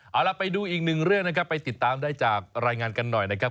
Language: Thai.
เอาล่ะไปดูอีกหนึ่งเรื่องนะครับไปติดตามได้จากรายงานกันหน่อยนะครับ